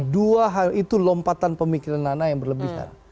dua hal itu lompatan pemikiran nana yang berlebihan